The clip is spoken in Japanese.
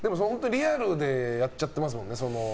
リアルでやっちゃってますもんね。